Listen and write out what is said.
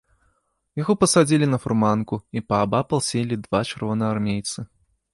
Яго пасадзілі на фурманку, і паабапал селі два чырвонаармейцы.